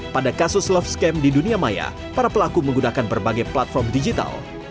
pada kasus love scam di dunia maya para pelaku menggunakan berbagai platform digital